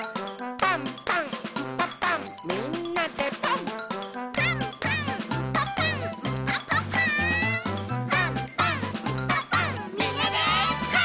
「パンパンんパパンみんなでパン！」